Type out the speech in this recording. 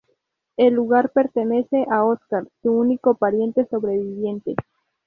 El lugar pertenece a Oscar, su único pariente sobreviviente.